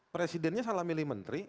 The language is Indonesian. presidennya salah milih menteri